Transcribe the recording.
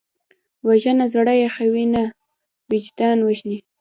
وژنه زړه یخوي نه، وجدان وژني